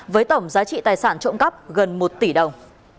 với tổng giá trị tài sản trộm cắp gần một tỷ đồng